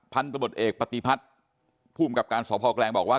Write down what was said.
พันธบทเอกปฏิพัฒน์ภูมิกับการสพแกลงบอกว่า